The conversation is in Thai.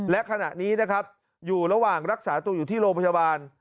และขณะนี้นะครับอยู่ระหว่างรักษาตัวอยู่ที่โรงพยาบาล